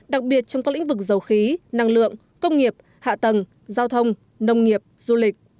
đặc biệt trong các lĩnh vực dầu khí năng lượng công nghiệp hạ tầng giao thông nông nghiệp du lịch